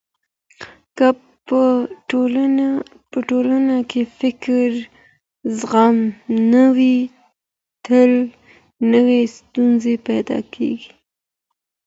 که په ټولنه کي فکري زغم نه وي تل نوې ستونزې پيدا کېږي.